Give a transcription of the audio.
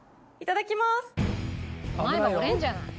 前歯折れるんじゃない？